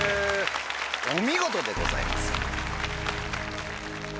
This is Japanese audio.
お見事でございます。